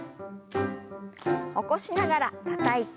起こしながらたたいて。